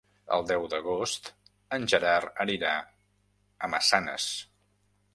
El deu d'agost en Gerard anirà a Massanes.